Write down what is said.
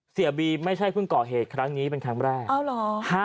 เสียบีไม่ใช่เพิ่งก่อเหตุครั้งนี้เป็นครั้งแรก